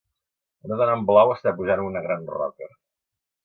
Una dona en blau està pujant una gran roca